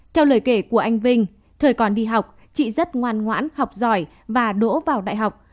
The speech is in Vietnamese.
theo lời kể của anh vinh thời còn đi học chị rất ngoan ngoãn học giỏi và đỗ vào đại học